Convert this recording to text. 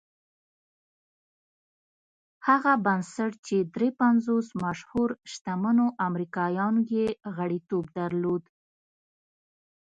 هغه بنسټ چې دري پنځوس مشهورو شتمنو امريکايانو يې غړيتوب درلود.